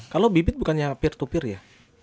kalau bibit bukannya peer to peer ya